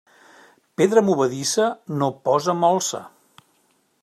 Pedra movedissa no posa molsa.